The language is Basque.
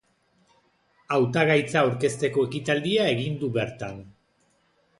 Hautagaitza aurkezteko ekitaldia egin du bertan.